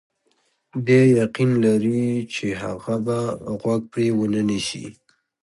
دی یقین لري چې هغه به غوږ پرې ونه نیسي.